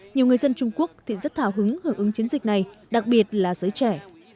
nhiều người dân trung quốc thì rất thảo hứng hưởng ứng chiến dịch này đặc biệt là giới trẻ